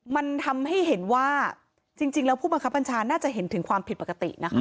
มันทำให้เห็นว่าจริงแล้วผู้บังคับบัญชาน่าจะเห็นถึงความผิดปกตินะคะ